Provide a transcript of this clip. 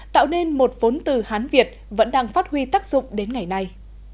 tạo nên một vốn từ hán việt vẫn đang phát huy tác dụng đến ngày nay